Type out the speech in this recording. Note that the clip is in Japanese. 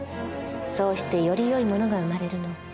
そうしてよりよいものが生まれるの。